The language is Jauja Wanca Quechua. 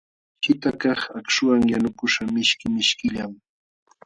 Shitqakaq akśhuwan yanukuśhqa mishki mishkillam.